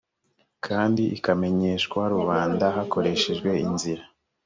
kandi ikamenyeshwa rubanda hakoreshejwe inzira